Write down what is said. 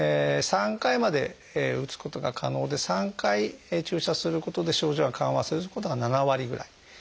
３回まで打つことが可能で３回注射することで症状が緩和することが７割ぐらい。